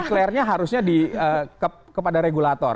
diklarnya harusnya kepada regulator